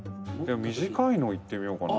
「短いのいってみようかな」